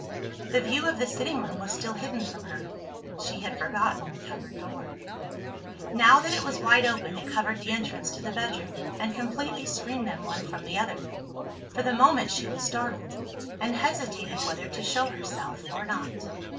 The view of the sitting room was still hidden from her. She had forgotten the cupboard door. Now that it was wide open, it covered the entrance to the bedroom, and completely screened them one from the other. For the moment she was startled, and hesitated whether to show herself or not.